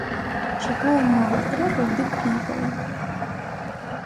Чакаем новых трэкаў ды кліпаў!